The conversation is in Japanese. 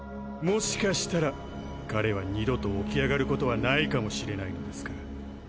もしかしたら彼は二度と起き上がることはないかもしれないのですから。